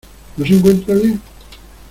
¿ no se encuentra bien?